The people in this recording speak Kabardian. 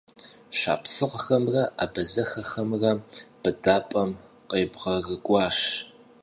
Шапсыгъхэмрэ абазэхэхэмрэ быдапӀэм къебгъэрыкӀуащ.